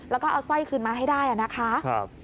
แล้วก็เอาสร้อยคืนมาให้ได้นะคะ